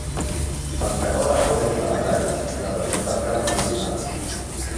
El canó de la font és de metall i representa el cap d'un animal.